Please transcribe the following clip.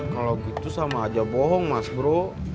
kalau gitu sama aja bohong mas bro